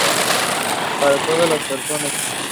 Para todas las personas".